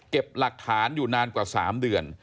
หลักฐานอยู่นานกว่า๓เดือน